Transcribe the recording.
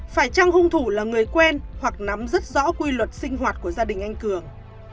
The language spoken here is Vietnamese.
phải chăng hung thủ là người quen hoặc nắm rất rõ quy luật sinh hoạt của gia đình anh cường